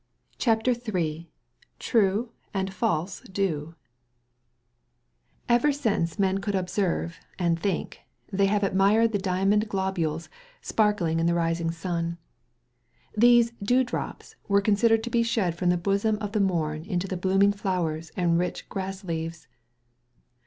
CHAPTER III TRUE AND FALSE DEW Ever since men could observe and think, they have admired the diamond globules sparkling in the rising sun. These "dew drops" were considered to be shed from the bosom of the morn into the blooming flowers and rich grass leaves.